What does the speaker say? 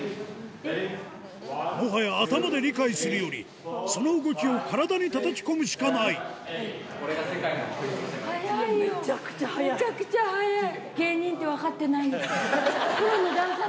もはや頭で理解するよりその動きを体にたたき込むしかないめちゃくちゃ速い。